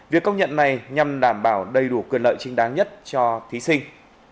việc công nhận này nhằm đảm bảo đầy đủ quyền lợi trinh đáng nhất cho thí sinh